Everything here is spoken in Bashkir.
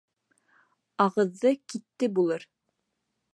Ағыҙҙы китте булыр.